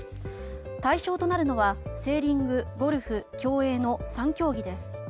対象となるのはセーリング、ゴルフ、競泳の３競技です。